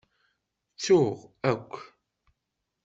Ttuɣ akk.